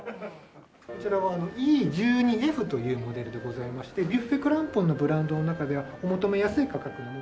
こちらはＥ１２Ｆというモデルでございましてビュッフェ・クランポンのブランドの中ではお求めやすい価格に。